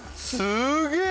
すげえ